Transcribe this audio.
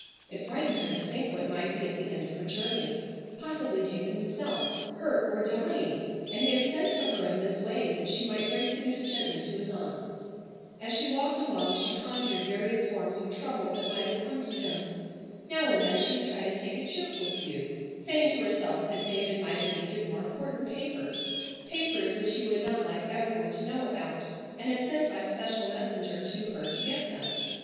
It frightened her to think what might be at the end of her journey. Possibly David himself, hurt or dying, and he had sent for her in this way that she might break the news gently to his aunts. As she walked along she conjured various forms of trouble that might have come to him. Now and then she would try to take a cheerful view, saying to herself that David might have needed more important papers, papers which he would not like everyone to know about, and had sent by special messenger to her to get them.